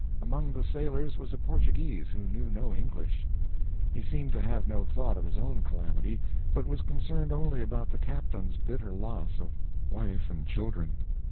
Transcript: Among the sailors was a Portuguese who knew no English. He seemed to have no thought of his own calamity, but was concerned only about the captain's bitter loss of wife and children.